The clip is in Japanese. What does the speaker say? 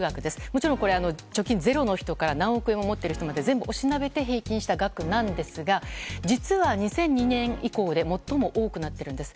もちろんこれは貯金ゼロの人から何億円持ってる人まで全部押しなべて平均した額なんですが実は２００２年以降で最も多くなってるんです。